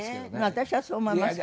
私はそう思いますけど。